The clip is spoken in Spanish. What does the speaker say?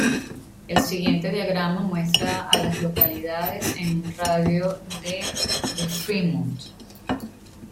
El siguiente diagrama muestra a las localidades en un radio de de Fremont.